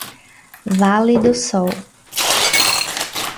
Vale do Sol